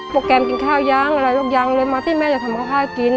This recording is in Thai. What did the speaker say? โปรแกรมกินข้าวย้ำอะไรที่ไม่ต้องกิน